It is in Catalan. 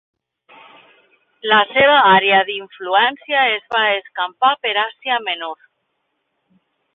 La seva àrea d'influència es va escampar per Àsia Menor.